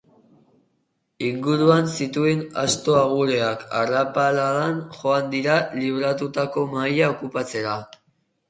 Inguruan zituen atso-agureak arrapaladan joan dira libratutako mahaia okupatzera.